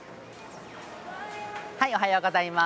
おはようございます。